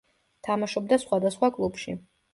თამაშობდა სხვადასხვა კლუბში.